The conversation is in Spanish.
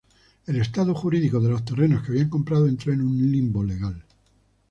El estado jurídico de los terrenos que había comprado entró en un limbo legal.